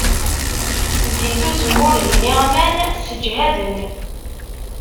Zzit uzemmur d iniɣman sseǧhaden.